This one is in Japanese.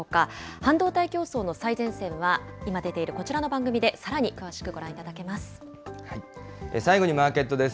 半導体競争の最前線は、今出ているこちらの番組で、さらに詳しく最後にマーケットです。